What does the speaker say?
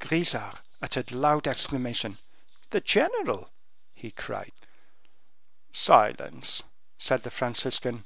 Grisart uttered loud exclamation. "The general!" he cried. "Silence," said the Franciscan.